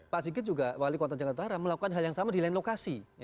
pak sigit juga wali kota jakarta utara melakukan hal yang sama di lain lokasi